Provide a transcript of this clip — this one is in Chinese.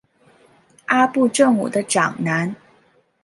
阿部正武的长男。